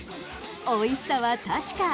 美味しさは確か。